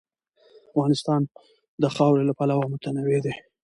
افغانستان د خاوره له پلوه متنوع دی.